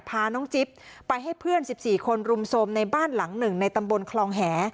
พาน้องจิ๊บไปให้เพื่อน๑๔คนรุมโทรมในบ้านหลังหนึ่งในตำบลคลองแห